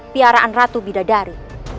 piaraan ratu bidadari